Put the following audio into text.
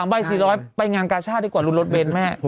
๓ใบ๔๐๐บาทไปงานการ์ชาร์ดดีกว่ารุนลดเบนแม่